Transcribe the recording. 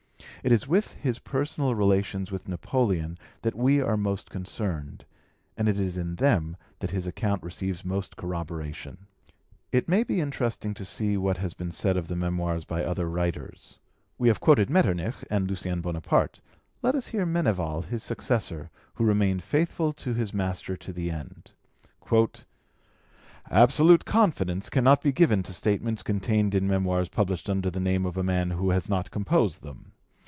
It is with his personal relations with Napoleon that we are most concerned, and it is in them that his account receives most corroboration. It may be interesting to see what has been said of the Memoirs by other writers. We have quoted Metternich, and Lucien Bonaparte; let us hear Meneval, his successor, who remained faithful to his master to the end: "Absolute confidence cannot be given to statements contained in Memoirs published under the name of a man who has not composed them.